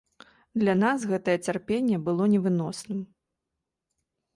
Для нас гэтае цярпенне было невыносным.